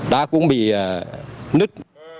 đã cũng bị nứt